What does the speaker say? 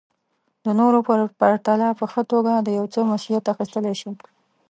د نورو په پرتله په ښه توګه د يو څه مسوليت اخيستلی شي.